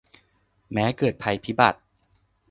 แม้เกิดภัยพิบัติ